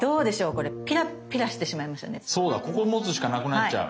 ここ持つしかなくなっちゃう。